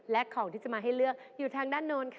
และของที่จะมาให้เลือกอยู่ทางด้านโน้นค่ะ